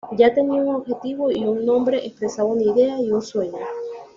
Ya tenía un objetivo y un nombre, expresaba una idea y un sueño.